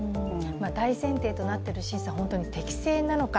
大前提となっている審査、本当に適正なのか。